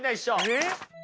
えっ？